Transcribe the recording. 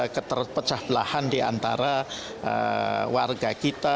keterpecah belahan di antara warga kita